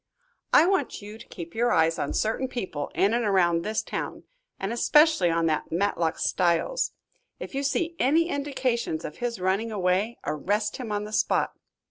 "I want you to keep your eyes on certain people in and around this town, and especially on that Matlock Styles. If you see any indications of his running away, arrest him on the spot.